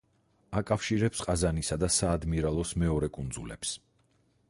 აკავშირებს ყაზანისა და საადმირალოს მეორე კუნძულებს.